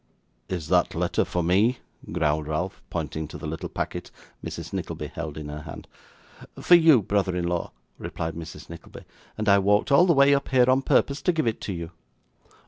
'Is that letter for me?' growled Ralph, pointing to the little packet Mrs. Nickleby held in her hand. 'For you, brother in law,' replied Mrs. Nickleby, 'and I walked all the way up here on purpose to give it you.